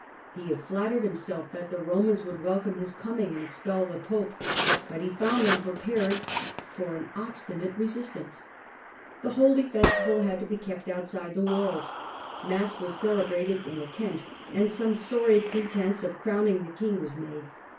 He had flattered himself that ^™ut te*^ the Romans would welcome his coming and repulsed expol the popo, but he found them prepared for an obstinate resistance. The holy festival had to be kept outside the walls. Mass was celebrated in a tent, and some sorry pretence of crowning the king was made.